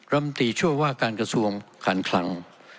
รำตีช่วยว่าการกระทรวงการคลัง